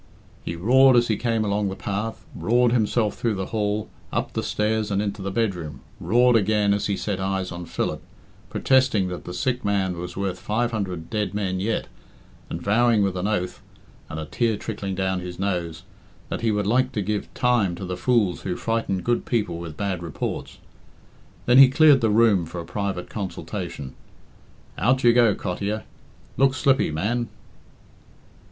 He roared as he came along the path, roared himself through the hall, up the stairs, and into the bedroom, roared again as he set eyes on Philip, protesting that the sick man was worth five hundred dead men yet, and vowing with an oath (and a tear trickling down his nose) that he would like to give "time" to the fools who frightened good people with bad reports. Then he cleared the room for a private consultation. "Out you go, Cottier. Look slippy, man!"